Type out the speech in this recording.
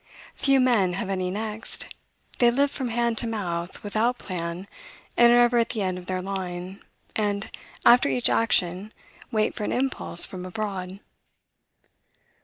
Few men have any next; they live from hand to mouth, without plan, and are ever at the end of their line, and, after each action, wait for an impulse from abroad.